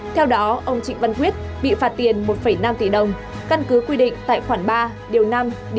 theo đó ông trịnh văn quyết bị phạt tiền một năm tỷ đồng căn cứ quy định tại khoản ba điều năm điểm h khoản năm điều ba mươi ba